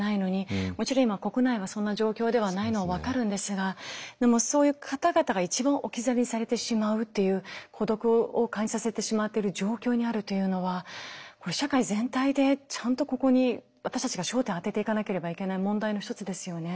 もちろん今国内はそんな状況ではないのは分かるんですがでもそういう方々が一番置き去りにされてしまうという孤独を感じさせてしまっている状況にあるというのは社会全体でちゃんとここに私たちが焦点を当てていかなければいけない問題の一つですよね。